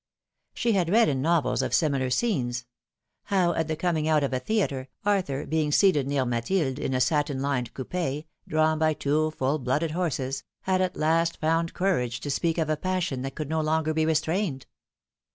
She had read in novels of similar scenes — how, at the coming out of a theatre, Arthur being seated near Mathilde in a satin lined coup6, drawn by two full blooded horses, had at last found courage to speak of a passion that could no longer be restrained.